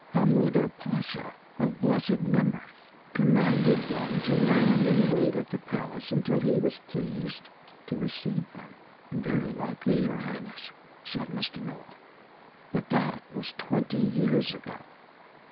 Hammuda Pasha, of blessed memory, commanded them to land and wait at the palace until he was pleased to receive them." "Very likely, your Highness," said Mr. Noah, "but that was twenty years ago."